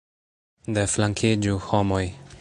Deflankiĝu, homoj!